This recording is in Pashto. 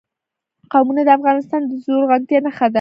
قومونه د افغانستان د زرغونتیا نښه ده.